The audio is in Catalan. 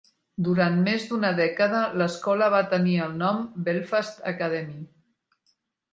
Durant més d"una dècada l"escola va tenir el nom "Belfast Academy".